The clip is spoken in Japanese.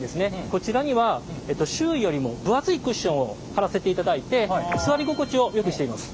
こちらには周囲よりも分厚いクッションを貼らせていただいて座り心地をよくしています。